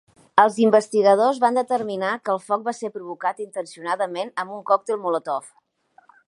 Els investigadors van determinar que el foc va ser provocat intencionadament amb un còctel Molotov.